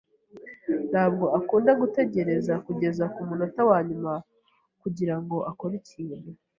ntabwo akunda gutegereza kugeza kumunota wanyuma kugirango akore ikintu.